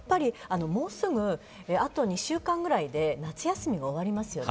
あと２週間ぐらいで夏休みが終わりますよね。